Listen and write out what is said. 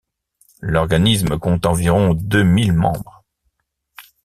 L'organisme compte environ deux mille membres.